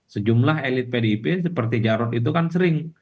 sejumlah elit pdip seperti jarod itu kan sering